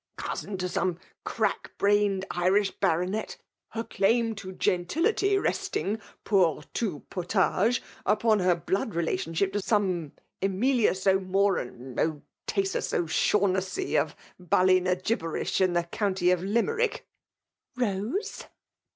— Cou sin to some crackbrained IxislL Baronet I — her claim to gentility resting, pour tout potage, npon her blood relationship to some Sir JSniKw O^Moran O'Tasus 0*Shaughnessy, ef Ballynagibberish, in the county of lime i»» ^Boso!